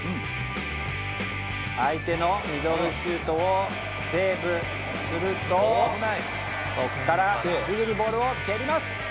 相手のミドルシュートをセーブするとそこからすぐにボールを蹴ります！